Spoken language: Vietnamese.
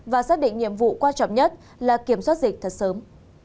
và xác định nhiệm vụ quan trọng nhất là kiểm soát dịch thật sớm